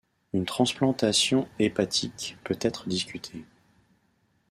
Une transplantation hépatique peut être discutée.